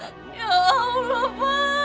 ya allah pak